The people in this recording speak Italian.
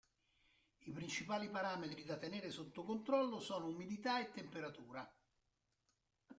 I principali parametri da tenere sotto controllo sono umidità e temperatura.